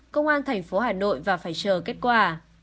công an thành phố hà nội và phải chờ kết quả